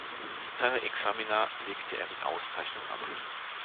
Seine Examina legte er mit Auszeichnung ab.